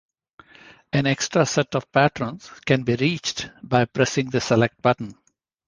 An extra set of patterns can be reached by pressing the "Select" button.